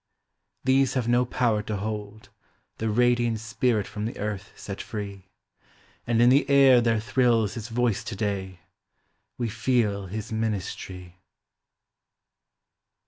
These have no power to hold The radiant spirit from the earth set free ; And in the air there thrills his voice to day ! We feel his ministry